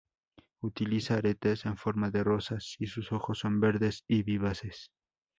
Utiliza aretes en forma de rosas y sus ojos son verdes y vivaces.